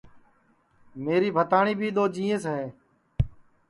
میری بھتاٹؔی بھی دؔو جینٚیس ہے